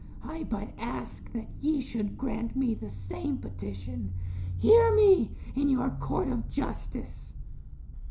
I but ask that ye should grant me the same petition. Hear me in your Court of Justice."